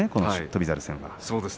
翔猿戦は。